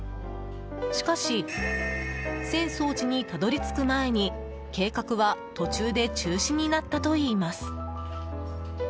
しかし、浅草寺にたどり着く前に計画は途中で中止になったといいます。